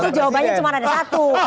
nah itu jawabannya cuma ada satu